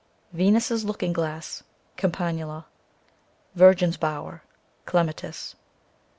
Venus' Looking Glass, cc Campanula. Virgin's Bower, cc Clematis.